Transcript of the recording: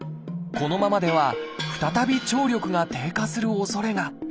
このままでは再び聴力が低下するおそれが